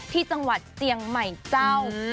ที่จังหวัดเจียงใหม่เจ้า